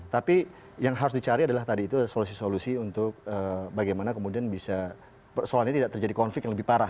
tapi yang harus dicari adalah tadi itu solusi solusi untuk bagaimana kemudian bisa persoalannya tidak terjadi konflik yang lebih parah